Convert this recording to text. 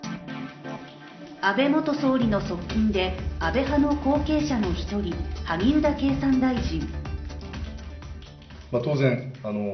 安倍元総理の側近で、安倍派の後継者の１人、萩生田経産大臣。